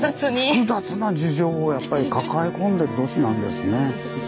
複雑な事情をやっぱり抱え込んでる都市なんですね。